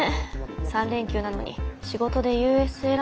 ３連休なのに仕事でＵＳＡランドなんて。